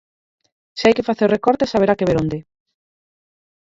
Se hai que facer recortes haberá que ver onde.